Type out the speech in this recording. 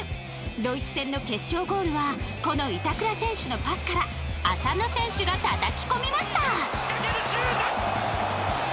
ドイツ戦の決勝ゴールはこの板倉選手のパスから浅野選手がたたき込みました。